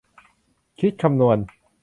คิดคำนวณ